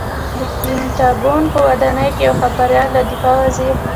د پنټاګون په ودانۍ کې یوه خبریال له دفاع وزیر